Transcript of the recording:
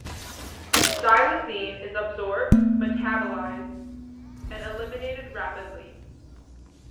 Xylazine is absorbed, metabolized, and eliminated rapidly.